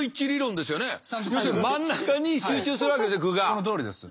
そのとおりです。